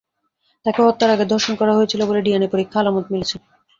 তাঁকে হত্যার আগে ধর্ষণ করা হয়েছিল বলে ডিএনএ পরীক্ষায় আলামত মিলেছে।